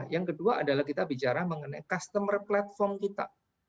yang kedua adalah kita bicara mengenai customer platform kita